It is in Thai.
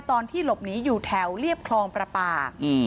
ตอนที่หลบหนีอยู่แถวเรียบคลองประปา